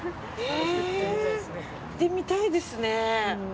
行ってみたいですね。